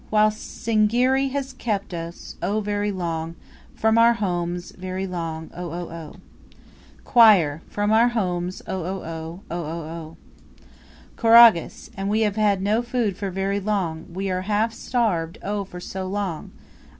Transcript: While Singiri has kept us, oh, very long From our homes very long, oh oh oh.! Choir From our homes, oh oh oh! Oh oh oh! Choragus. And we have had no food for very long We are half starved, oh, for so long!